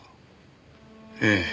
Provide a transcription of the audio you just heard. ええ。